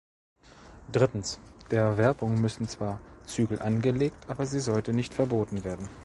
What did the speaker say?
Drittens, der Werbung müssen zwar Zügel angelegt, aber sie sollte nicht verboten werden.